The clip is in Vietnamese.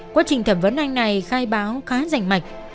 quá trình thẩm vấn anh này khai báo khá rảnh mạch